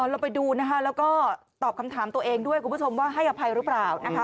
เราไปดูนะคะแล้วก็ตอบคำถามตัวเองด้วยคุณผู้ชมว่าให้อภัยหรือเปล่านะคะ